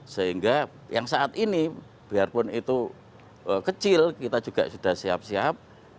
sehingga yang saat ini biarpun itu kecil kita juga sudah siap siap